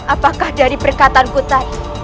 apakah dari perkataanku tadi